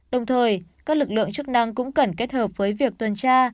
đồng thời các lực lượng chức năng cũng cần kết hợp với việc tuần tra